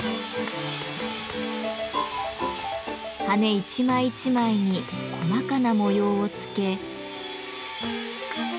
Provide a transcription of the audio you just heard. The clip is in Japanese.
羽一枚一枚に細かな模様をつけ。